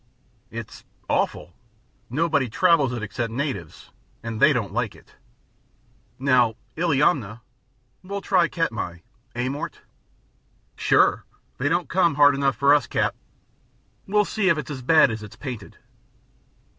"It's awful! Nobody travels it except natives, and they don't like it. Now, Illiamna " "We'll try Katmai. Eh, Mort?" "Sure! They don't come hard enough for us, Cap. We'll see if it's as bad as it's painted."